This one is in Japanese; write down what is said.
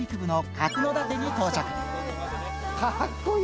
かっこいい。